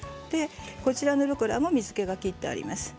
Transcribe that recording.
こちらのルッコラも水けを切ってあります。。